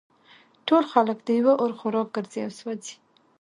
ټول خلک د یوه اور خوراک ګرځي او سوزي